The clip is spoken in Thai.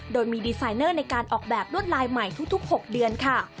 โดยมีดีไซเนอร์ในการออกแบบลวดลายใหม่ทุก๖เดือนค่ะ